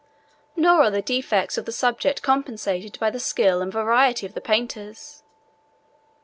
Nor are the defects of the subject compensated by the skill and variety of the painters.